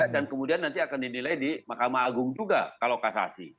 dan kemudian nanti akan dinilai di mahkamah agung juga kalau kasasi